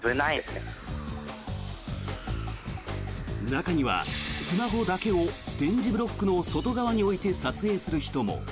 中にはスマホだけを点字ブロックの外側に置いて撮影する人も。